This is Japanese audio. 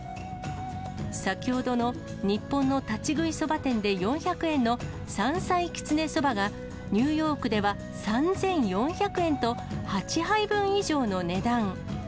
先ほどの日本の立ち食いそば店で４００円の山菜きつねそばが、ニューヨークでは３４００円と、８杯分以上の値段。